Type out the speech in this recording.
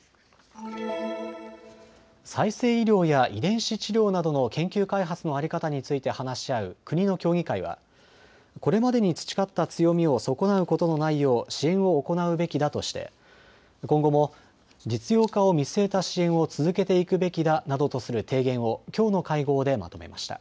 再生医療や遺伝子治療などの研究開発の在り方について話し合う国の協議会はこれまでに培った強みを損なうことのないよう支援を行うべきだとして今後も実用化を見据えた支援を続けていくべきだなどとする提言をきょうの会合でまとめました。